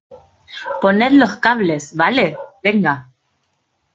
poned los cables, ¿ vale? venga.